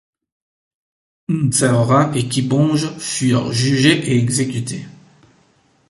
Nserera et Kibonge furent jugés et exécutés.